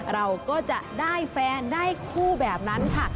เราก็จะได้แฟนได้คู่แบบนั้นค่ะ